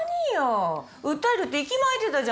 訴えるって息巻いてたじゃないの。